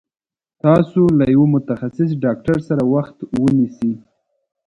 تاسو له يوه متخصص ډاکټر سره وخت ونيسي